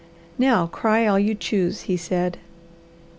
"Now cry all you choose!" he said.